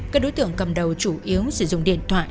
các đối tượng cầm đầu chủ yếu sử dụng điện thoại